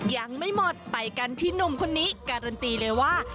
ยังไม่หมดไปกันที่หนุ่มคนนี้การันตีเลยว่า